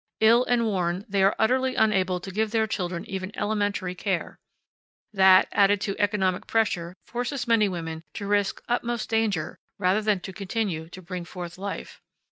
Ill and worn, they are utterly unable to give their children even elementary care. That, added to economic pressure, forces many women to risk utmost danger rather than continue to bring forth life.